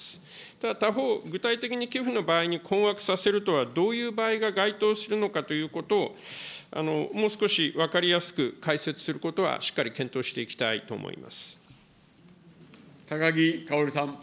ただ、他方、具体的に寄付の場合に困惑させるとはどういう場合が該当するのかということを、もう少し分かりやすく解説することはしっかり検討していきたいと高木かおりさん。